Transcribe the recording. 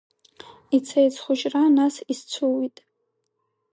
Ицеит схәыҷра, нас исцәыҩит.